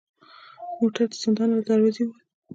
موټر د زندان له دروازې و وت.